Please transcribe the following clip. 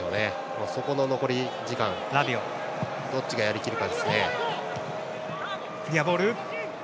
そこの残り時間どっちがやりきるか。